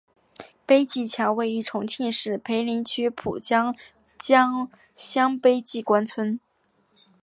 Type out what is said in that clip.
碑记桥位于重庆市涪陵区蒲江乡碑记关村。